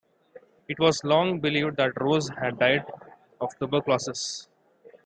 It was long believed that Rose had died of tuberculosis.